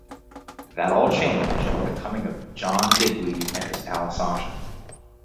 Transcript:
That all changed with the coming of John Digweed and his pal Sasha.